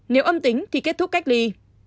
nếu âm tính thì kết thúc cách ly